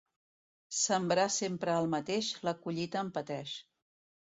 Sembrar sempre el mateix, la collita en pateix.